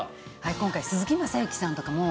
今回鈴木雅之さんとかも。